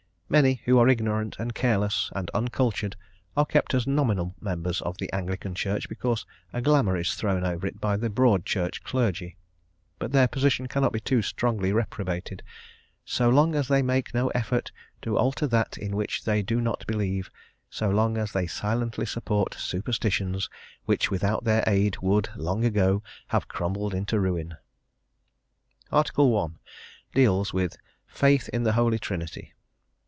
Many who are ignorant, and careless, and uncultured are kept as nominal members of the Anglican Church because a glamour is thrown over it by the Broad Church clergy; but their position cannot be too strongly reprobated, _so long as they make no effort to alter that in which they do not believe, so long as they silently support superstitions which without their aid would, long ago, have crumbled into ruin._ Article I. deals with "Faith in the Holy Trinity."